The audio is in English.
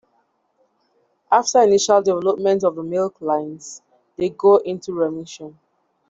After initial development of the milk lines they go into remission.